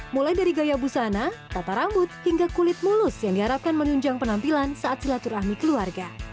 mulai dari gaya busana tata rambut hingga kulit mulus yang diharapkan menunjang penampilan saat silaturahmi keluarga